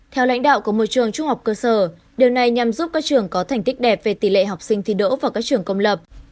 theo lãnh đạo của một trường trung học cơ sở điều này nhằm giúp các trường có thành tích đẹp về tỷ lệ học sinh thi đỗ vào các trường công lập